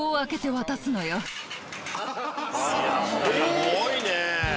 すごいね。